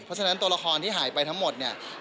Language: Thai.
เพราะฉะนั้นตัวละครที่หายไปทั้งหมดเนี่ย